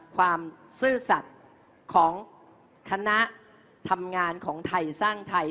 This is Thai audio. ความซื่อสัตว์ของคณะทำงานของไทยสร้างไทย